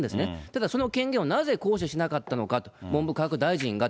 ただその権限をなぜ行使しなかったのかと、文部科学大臣が。